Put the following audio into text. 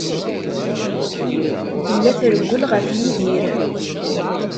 Tella trewwel ɣef Yidir.